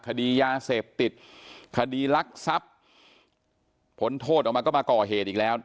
คดียาเสพติดคดีรักทรัพย์ผลโทษออกมาก็มาก่อเหตุอีกแล้ว